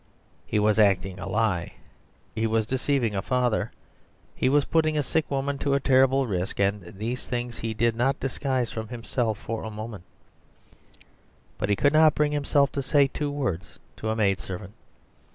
He was acting a lie; he was deceiving a father; he was putting a sick woman to a terrible risk; and these things he did not disguise from himself for a moment, but he could not bring himself to say two words to a maidservant.